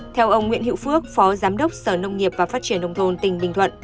theo ông nguyễn hiệu phước phó giám đốc sở nông nghiệp và phát triển nông thôn tỉnh bình thuận